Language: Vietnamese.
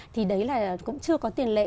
thì đấy là cũng chưa có tiền lệ